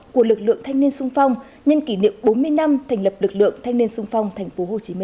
của lực lượng thanh niên sung phong nhân kỷ niệm bốn mươi năm thành lập lực lượng thanh niên sung phong tp hcm